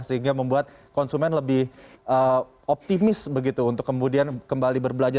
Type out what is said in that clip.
sehingga membuat konsumen lebih optimis begitu untuk kemudian kembali berbelanja